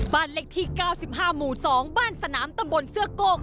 บ้านเลขที่๙๕หมู่๒บ้านสนามตำบลเสื้อโกก